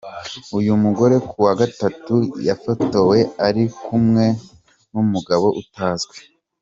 Uyu mugore kuwa gatatu yafotowe ari kumwe n’umugabo utazwi.